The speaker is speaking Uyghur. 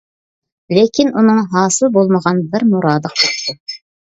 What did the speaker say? لېكىن ئۇنىڭ ھاسىل بولمىغان بىر مۇرادى قاپتۇ.